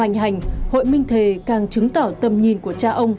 trong tình hình hành hội minh thể càng chứng tỏ tầm nhìn của cha ông